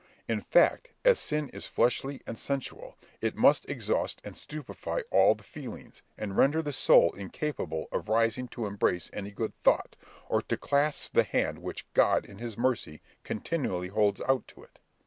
In fact, as sin is fleshly and sensual, it must exhaust and stupefy all the feelings, and render the soul incapable of rising to embrace any good thought, or to clasp the hand which God in his mercy continually holds out to it.